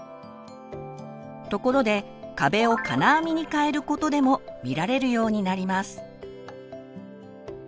ところで壁を金網に変えることでも見られるようになります。